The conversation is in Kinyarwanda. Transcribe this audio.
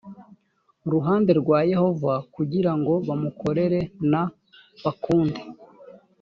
ruhande rwa yehova kugira ngo bamukorere n bakunde